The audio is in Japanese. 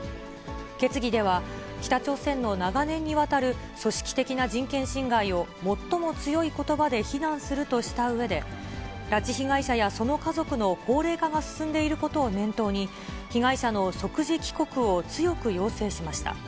決議では、北朝鮮の長年にわたる組織的な人権侵害を最も強いことばで非難するとしたうえで、拉致被害者やその家族の高齢化が進んでいることを念頭に、被害者の即時帰国を強く要請しました。